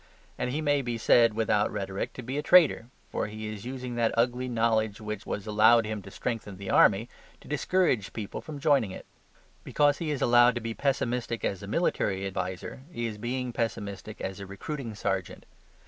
And he may be said, without rhetoric, to be a traitor; for he is using that ugly knowledge which was allowed him to strengthen the army, to discourage people from joining it. Because he is allowed to be pessimistic as a military adviser he is being pessimistic as a recruiting sergeant.